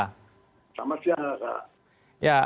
selamat siang pak